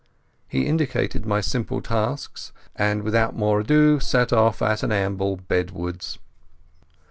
He indicated my simple tasks, and without more ado set off at an amble bedwards.